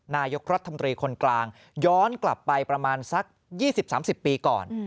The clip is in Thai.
นายกรัฐมนตรีคนกลางย้อนกลับไปประมาณสัก๒๐๓๐ปีก่อน